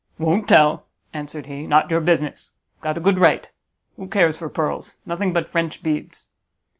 "Won't tell!" answered he; "not your business. Got a good right. Who cares for pearls? Nothing but French beads."